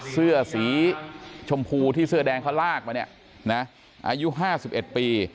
เสื้อสีชมพูที่เสื้อแดงเขาลากมาเนี่ยนะอายุ๕๑ปี